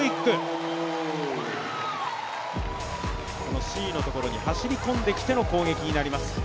Ｃのところに走り込んできての攻撃になります。